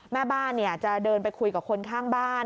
แม่บ้านจะเดินไปคุยกับคนข้างบ้าน